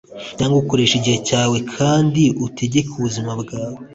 cyangwa ukoreshe igihe cyawe kandi utegeke ubuzima bwawe